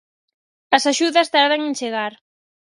As axudas tardan en chegar.